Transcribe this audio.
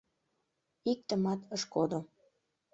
Иктымат ыш кодо.